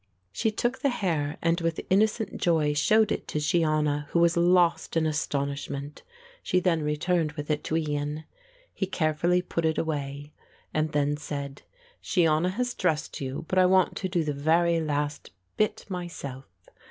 She took the hair and with innocent joy showed it to Shiona, who was lost in astonishment. She then returned with it to Ian. He carefully put it away and then said; "Shiona has dressed you, but I want to do the very last bit myself."